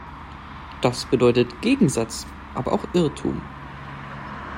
Das bedeutet „Gegensatz“, aber auch „Irrtum“.